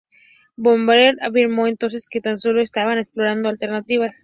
Bombardier afirmó entonces que tan solo estaban explorando alternativas.